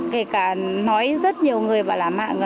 kể cả nói rất nhiều người và làm mạng